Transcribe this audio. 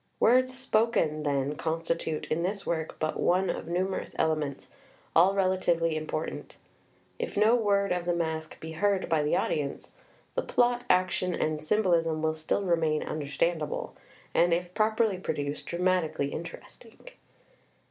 Words spoken, then, constitute in this work but one of numerous elements, all relatively important. If no word of the Masque be heard by the audience, the plot, action, and symbolism will still remain understandable and, if properly produced, dramatically interesting.